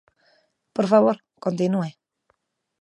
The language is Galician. Por favor, continúe.